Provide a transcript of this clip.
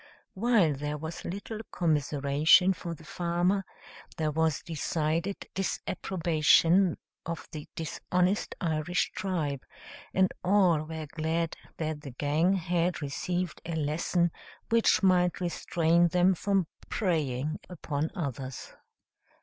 While there was little commiseration for the farmer, there was decided disapprobation of the dishonest Irish tribe, and all were glad that the gang had received a lesson which might restrain them from preying upon others.